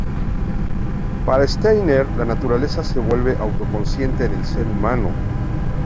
Para Steiner, la naturaleza se vuelve auto-consciente en el ser humano.